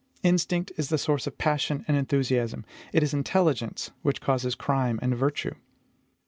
Instinct is the source of passion and enthusiasm; it is intelligence which causes crime and virtue.